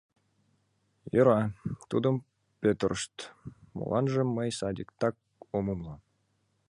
Йӧра, тудым петырышт, моланжым мый садиктак ом умыло.